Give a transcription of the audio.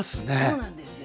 そうなんですよ。